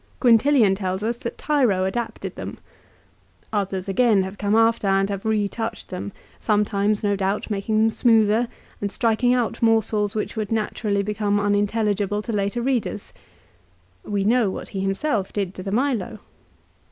Quintilian tells us that Tiro adapted them. 1 Others again have come after him and have retouched them, sometimes no doubt making them smoother, and striking out morsels which would naturally become unintelligible to later readers. We know what he himself did to the Milo.